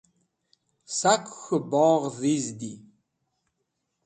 sak'ey k̃hu bogh dhiz di